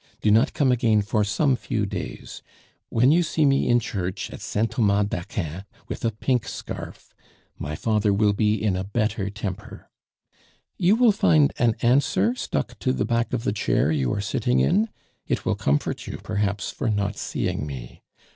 Do not come again for some few days. When you see me in church, at Saint Thomas d'Aquin, with a pink scarf, my father will be in a better temper. You will find an answer stuck to the back of the chair you are sitting in; it will comfort you perhaps for not seeing me.